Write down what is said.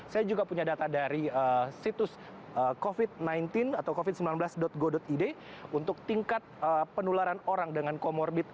saya juga punya data dari situs covid sembilan belas go id untuk tingkat penularan orang dengan comorbid